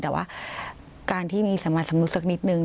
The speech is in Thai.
แต่ว่าการที่มีสัญลักษณ์สำนุกสักนิดหนึ่ง